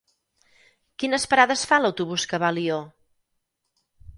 Quines parades fa l'autobús que va a Alió?